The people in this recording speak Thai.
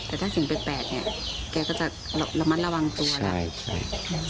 แต่ถ้าเสียงแปลกเก่าก็จะระวังตัวนี่หรอใช่